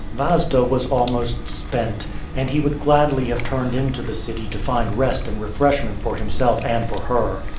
Vasda was almost spent, and he would gladly have turned into the city to find rest and refreshment for himself and for her.